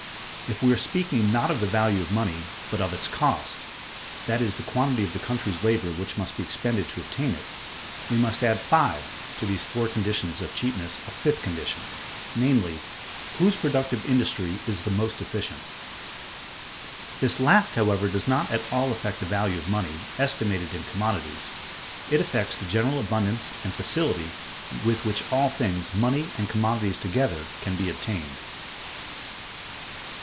If we are speaking not of the value of money, but of its cost (that is, the quantity of the country's labor which must be expended to obtain it), we must add (5) to these four conditions of cheapness a fifth condition, namely, "whose productive industry is the most efficient." This last, however, does not at all affect the value of money, estimated in commodities; it affects the general abundance and facility with which all things, money and commodities together, can be obtained.